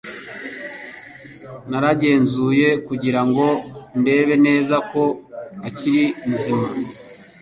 Naragenzuye kugira ngo ndebe neza ko akiri muzima.